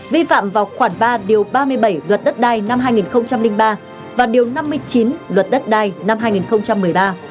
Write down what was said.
vi phạm vào khoảng ba điều ba mươi bảy luật đất đai năm hai nghìn ba và điều năm mươi chín luật đất đai năm hai nghìn một mươi ba